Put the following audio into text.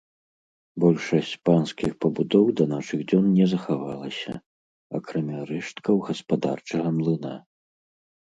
Большасць панскіх пабудоў да нашых дзён не захавалася, акрамя рэшткаў гаспадарчага млына.